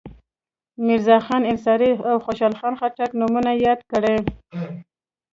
میرزاخان انصاري او خوشحال خټک نومونه یې یاد کړي.